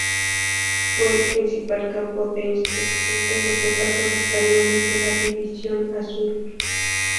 Fue el principal campo de instrucción de los soldados españoles de la División Azul.